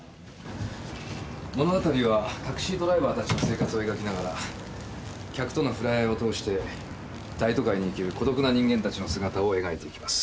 物語はタクシードライバーたちの生活を描きながら客との触れ合いを通して大都会に生きる孤独な人間たちの姿を描いていきます。